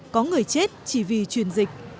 có người chết chỉ vì truyền dịch